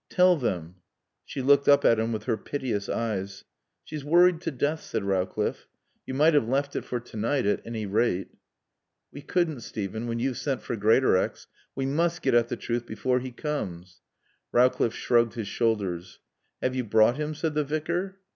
"Tell them " She looked up at him with her piteous eyes. "She's worried to death," said Rowcliffe. "You might have left it for to night at any rate." "We couldn't, Steven, when you've sent for Greatorex. We must get at the truth before he comes." Rowcliffe shrugged his shoulders. "Have you brought him?" said the Vicar.